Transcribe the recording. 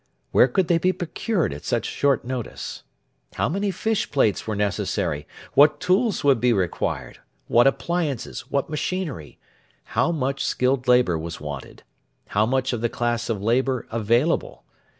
Where could they be procured at such short notice? How many fishplates were necessary? What tools would be required? What appliances? What machinery? How much skilled labour was wanted? How much of the class of labour available?